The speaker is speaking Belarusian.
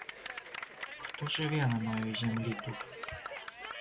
Хто жыве на маёй зямлі тут?